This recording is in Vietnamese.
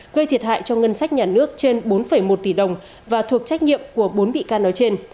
gây thiệt hại cho ngân sách nhà nước trên bốn một tỷ đồng và thuộc trách nhiệm của bốn bị can nói trên